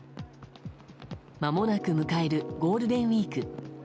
まもなく迎えるゴールデンウィーク。